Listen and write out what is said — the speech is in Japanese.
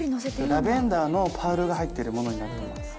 ラベンダーのパールが入ってるものになります。